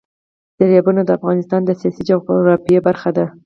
دریابونه د افغانستان د سیاسي جغرافیه برخه ده.